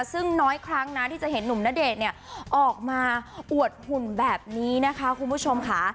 ซึ่งน้อยครั้งนะที่จะเห็นหนุ่มณเดชน์เนี่ยออกมาอวดหุ่นแบบนี้นะคะคุณผู้ชมค่ะ